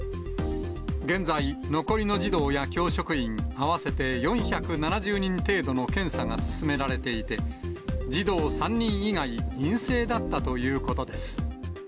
現在、残りの児童や教職員合わせて４７０人程度の検査が進められていて、児童３人以外、陰性だったということです。